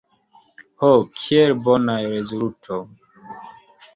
Ho, kiel bonaj rezultoj!